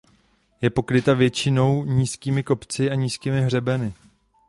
Je pokryta většinou nízkými kopci a nízkými hřebeny.